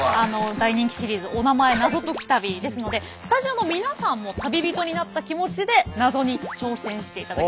大人気シリーズおなまえナゾ解き旅ですのでスタジオの皆さんも旅人になった気持ちでナゾに挑戦していただきたいと思います。